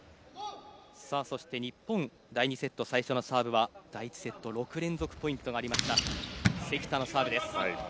そして日本第２セット最初のサーブは第１セット６連続ポイントがありました関田のサーブです。